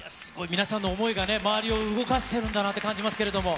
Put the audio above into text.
皆さんの思いがね、周りを動かしてるんだなという感じますけれども。